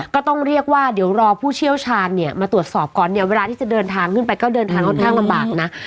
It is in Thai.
ก็ต้องเรียกว่าเดี๋ยวรอผู้เชี่ยวชาญเนี่ยมาตรวจสอบก่อนเนี่ยเวลาที่จะเดินทางขึ้นไปก็เดินทางค่อนข้างลำบากนะ